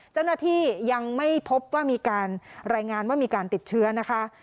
เจ้าหน้าที่ยังไม่พบว่ามีการรายงานว่ามีการติดเชื้อนะคะ